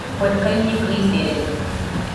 Kue kaiñɨkɨ isirede